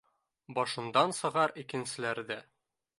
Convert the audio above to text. Башыңдан сығар икенселәрҙе